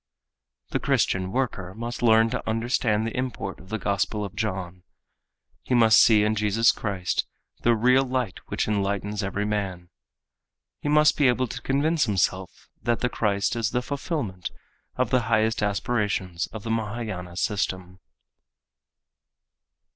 The Christian worker must learn to understand the import of the Gospel of John. He must see in Jesus Christ "The real Light, which enlightens every man." He must be able to convince himself that the Christ is the fulfillment of the highest aspirations of the Mahâyâna system.